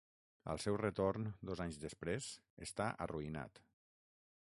Al seu retorn dos anys després, està arruïnat.